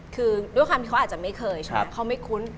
คือด้วยความที่เขาอาจจะไม่เคยเขาไม่คุ้น